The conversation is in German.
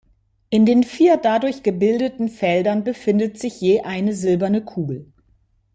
In den vier dadurch gebildeten Feldern befindet sich je eine silberne Kugel.